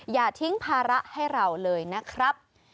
อย่าทิ้งภาระให้เราเลยนะครับ